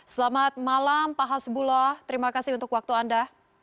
selamat malam pak hasbullah terima kasih untuk waktu anda